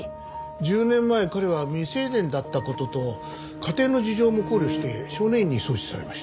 １０年前彼は未成年だった事と家庭の事情も考慮して少年院に送致されました。